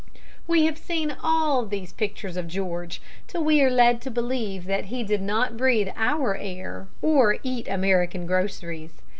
We have seen all these pictures of George, till we are led to believe that he did not breathe our air or eat American groceries.